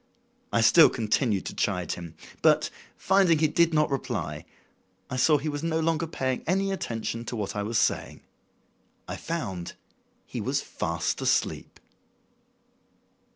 I still continued to chide him, but, finding he did not reply, I saw he was no longer paying any attention to what I was saying. I found he was fast asleep.